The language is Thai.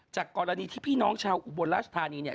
จากกรณีที่พี่น้องชาวอุบลราชธานีเนี่ย